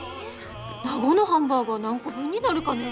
名護のハンバーガー何個分になるかね？